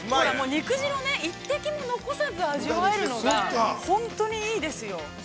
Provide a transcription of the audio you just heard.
◆肉汁一滴も残さず味わえるのが本当にいいですよ。